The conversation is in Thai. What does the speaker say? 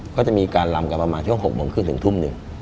ก็จะมีการลำกันประมาณช่วง๖โมงขึ้นถึงทุ่ม๑